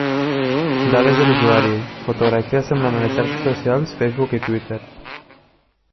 Dades de l'usuari, fotografia, semblant a les xarxes socials Facebook i Twitter.